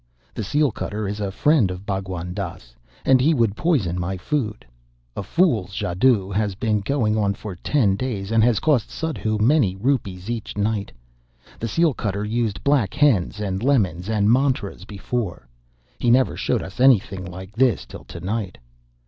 The seal cutter is the friend of Bhagwan Dass, and he would poison my food. A fool's jadoo has been going on for ten days, and has cost Suddhoo many rupees each night. The seal cutter used black hens and lemons and mantras before. He never showed us anything like this till to night.